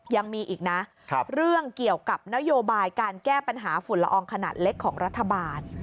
ยังมีอีกนะเรื่องเกี่ยวกับนโยบายการแก้ปัญหาฝุ่นละอองขนาดเล็กของรัฐบาล